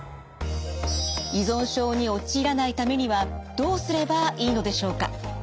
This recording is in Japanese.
依存症に陥らないためにはどうすればいいのでしょうか。